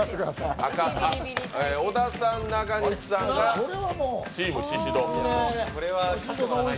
小田さん、中西さんがチーム宍戸。